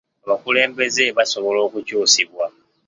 Abakulembeze basobola okukyusibwa.